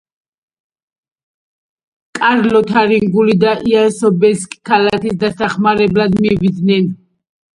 კარლ ლოთარინგიელი და იან სობესკი ქალაქის დასახმარებლად მივიდნენ.